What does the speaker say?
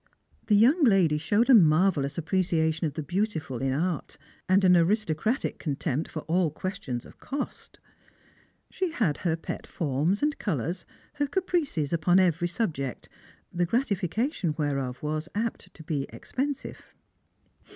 The young lady showed a marvellous appreciation of the beautiful in art, and an aristocratic contempts for all questions of cost. She had her pet forms and colours, her caprices upon every subject, the gratification whereof was apt to be expensive.